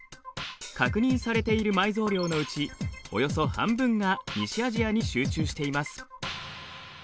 確認されている埋蔵量のうちおよそ半分が西アジアに集中しています。